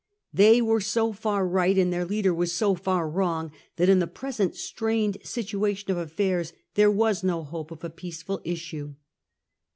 They were so far right, and their leader so far wrong, that in the present strained situation of affairs there was no hope of a peaceful issue.